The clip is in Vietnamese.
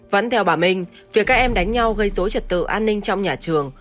vẫn theo bà minh việc các em đánh nhau gây dối trật tự an ninh trong nhà trường